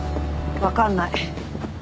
分かんない。